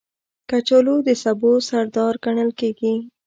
کچالو د سبو سردار ګڼل کېږي